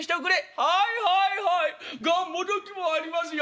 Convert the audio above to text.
『はいはいはいがんもどきもありますよ』